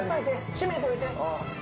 閉めといて。